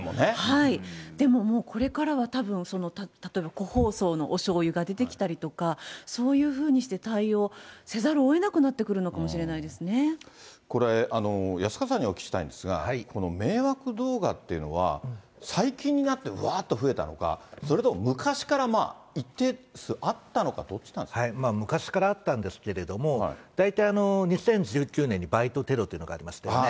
でももう、これからはたぶん、その例えば個包装のおしょうゆが出てきたりとか、そういうふうにして対応せざるをえなくなってくるのかもしれないこれ、安川さんにお聞きしたいんですが、この迷惑動画っていうのは、最近になって、わーっと増えたのか、それとも昔から一定数あったのか、昔からあったんですけれども、大体２０１９年にバイトテロっていうのがありましたよね。